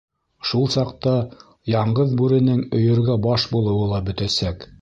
Шул саҡта Яңғыҙ Бүренең өйөргә баш булыуы ла бөтәсәк.